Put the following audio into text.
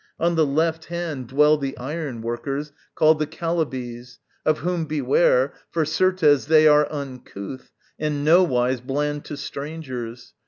On the left hand dwell The iron workers, called the Chalybes, Of whom beware, for certes they are uncouth And nowise bland to strangers.